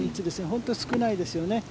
本当に少ないですよね。